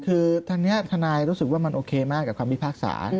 คือทางนี้ทนายรู้สึกว่ามันโอเคมากกับคำพิพากษา